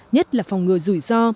nhất là phòng ngừa rủi ro